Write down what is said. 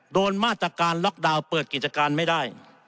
โดนมาตรการล็อกดาวน์เปิดกิจการไม่ได้